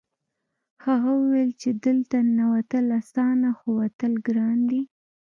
هغه وویل چې دلته ننوتل اسانه خو وتل ګران دي